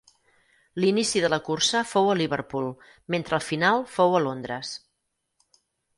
L'inici de la cursa fou a Liverpool, mentre el final fou a Londres.